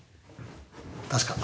確か。